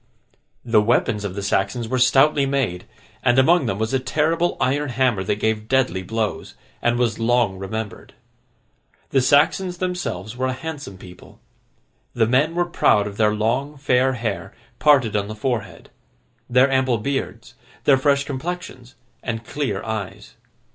The weapons of the Saxons were stoutly made, and among them was a terrible iron hammer that gave deadly blows, and was long remembered. The Saxons themselves were a handsome people. The men were proud of their long fair hair, parted on the forehead; their ample beards, their fresh complexions, and clear eyes.